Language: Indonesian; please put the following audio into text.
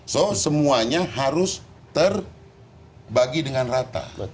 so semuanya harus terbagi dengan rata